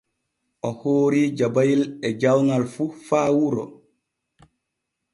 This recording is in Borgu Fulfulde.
O hoori jabayel e jawŋal fu faa wuro.